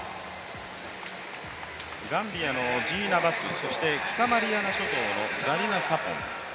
ガンビアのジーナ・バス、そして北マリアナ諸島のザリナ・サポン。